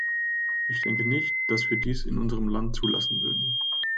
Ich denke nicht, dass wir dies in unserem Land zulassen würden.